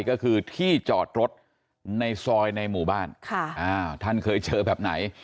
ก็คือที่จอดรถในซอยในหมู่บ้านท่านเคยเจอแบบไหน